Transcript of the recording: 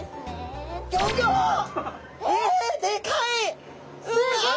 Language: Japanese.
えっでかい！